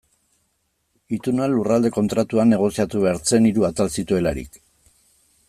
Ituna Lurralde Kontratuan negoziatu behar zen, hiru atal zituelarik.